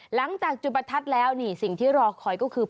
หลังจากจุดประทัดแล้วนี่สิ่งที่รอคอยก็คือ